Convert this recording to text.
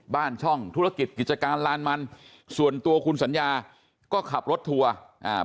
บ้านช่องธุรกิจกิจการลานมันส่วนตัวคุณสัญญาก็ขับรถทัวร์อ่า